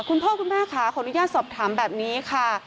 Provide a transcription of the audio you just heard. คุณพ่อคุณแม่ค่ะขออนุญาตสอบถามแบบนี้ค่ะ